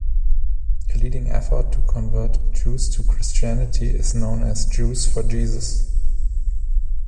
A leading effort to convert Jews to Christianity is known as Jews for Jesus.